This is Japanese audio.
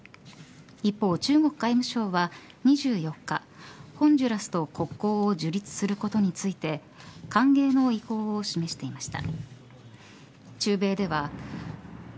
一方、中国外務省は２４日ホンジュラスと国交を樹立することについて歓迎の意向を示していました。